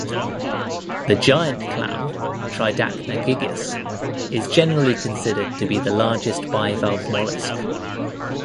The giant clam ("Tridacna gigas") is generally considered to be the largest bivalve mollusc.